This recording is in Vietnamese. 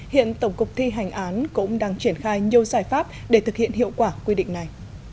hiện tổng cục thi hành án cũng đang triển khai nhiều giải pháp để thực hiện hiệu quả quy định này